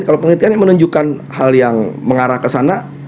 kalau penelitian menunjukkan hal yang mengarah ke sana